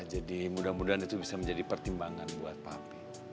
jadi mudah mudahan itu bisa menjadi pertimbangan buat papi